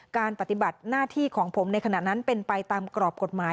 ปฏิบัติหน้าที่ของผมในขณะนั้นเป็นไปตามกรอบกฎหมาย